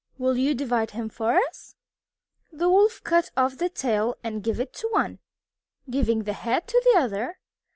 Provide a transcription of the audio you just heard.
Will you divide him for us?" The Wolf cut off the tail and gave it to one, giving the head to the other.